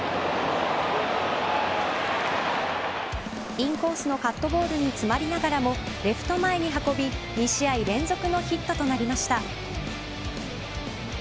インコースのカットボールに詰まりながらもレフト前に運び、２試合連続のヒットとなりました。